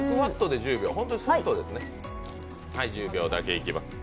１０秒だけいきます。